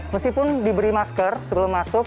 masih pun diberi masker sebelum masuk